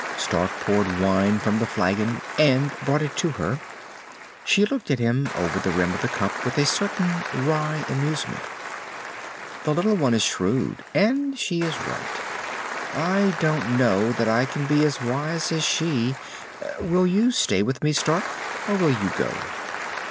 Stark poured wine from the flagon and brought it to her. She looked at him over the rim of the cup, with a certain wry amusement. "The little one is shrewd, and she is right. I don't know that I can be as wise as she.... Will you stay with me, Stark, or will you go?"